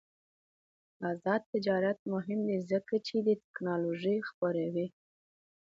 آزاد تجارت مهم دی ځکه چې تکنالوژي خپروي.